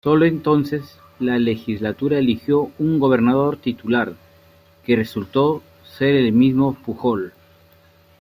Sólo entonces, la legislatura eligió un gobernador titular, que resultó ser el mismo Pujol.